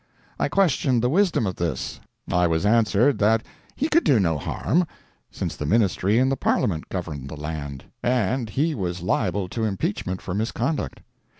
I questioned the wisdom of this. I was answered that he could do no harm, since the ministry and the parliament governed the land, and he was liable to impeachment for misconduct.